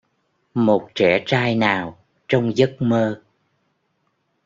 Một trẻ trai nào, trong giấc mơ.